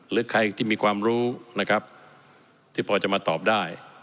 หรือใครที่มีความรู้นะครับที่พอจะมาตอบได้